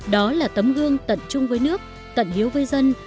đó là tấm gương tận chung với nước tận hiếu với dân